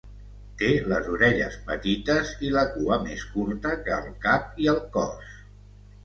Té les orelles petites i la cua més curta que el cap i el cos.